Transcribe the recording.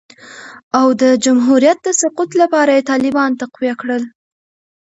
او د جمهوریت د سقوط لپاره یې طالبان تقویه کړل